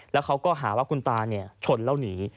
แล้วเขาก็หาว่าคุณตาชนแล้วหนี